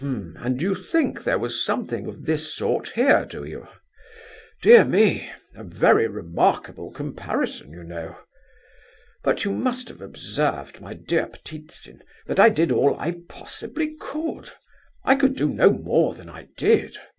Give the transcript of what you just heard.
and you think there was something of this sort here, do you? Dear me—a very remarkable comparison, you know! But you must have observed, my dear Ptitsin, that I did all I possibly could. I could do no more than I did.